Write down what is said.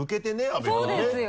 阿部君ねそうですよ！